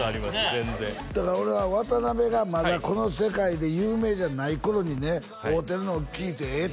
全然だから俺は渡辺がまだこの世界で有名じゃない頃にね会うてるのを聞いてえっ？